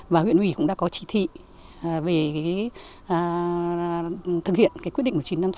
và huyện ủy cũng đã có chỉ thị về thực hiện quyết định một nghìn chín trăm năm mươi chín